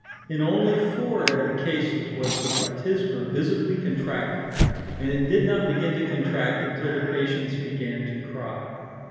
In only four of the cases was the platysma visibly contracted; and it did not begin to contract until the patients began to cry.